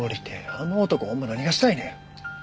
あの男ほんま何がしたいねん。